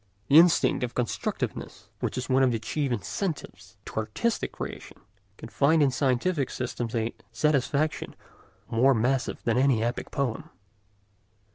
The instinct of constructiveness, which is one of the chief incentives to artistic creation, can find in scientific systems a satisfaction more massive than any epic poem.